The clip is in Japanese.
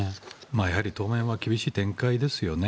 やはり当面は厳しい展開ですよね。